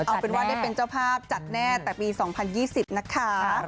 เอาเป็นว่าได้เป็นเจ้าภาพจัดแน่แต่ปี๒๐๒๐นะคะ